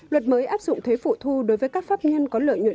luật mới áp dụng thuế phụ thu đối với các pháp nhân có lợi nhuận